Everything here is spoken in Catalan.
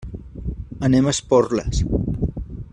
Anem a Esporles.